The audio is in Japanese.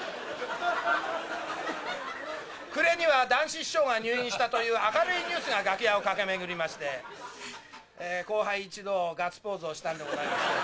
暮れには談志師匠が入院したという明るいニュースが楽屋を駆け巡りまして、後輩一同、ガッツポーズをしたんでございます。